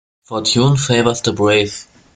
Fortune favours the brave.